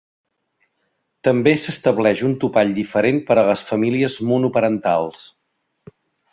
També s’estableix un topall diferent per a les famílies monoparentals.